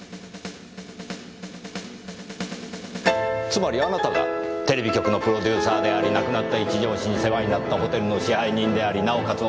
つまりあなたがテレビ局のプロデューサーであり亡くなった一条氏に世話になったホテルの支配人でありなおかつ